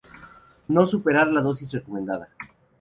No superar la dosis recomendada.